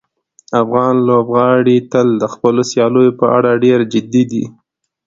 افغان لوبغاړي تل د خپلو سیالیو په اړه ډېر جدي دي.